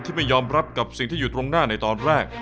ไม่ยอมรับกับสิ่งที่อยู่ตรงหน้าในตอนแรก